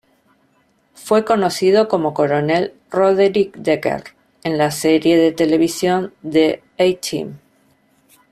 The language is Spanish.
Fue conocido como Coronel Roderick Decker en la serie de televisión "The A-Team".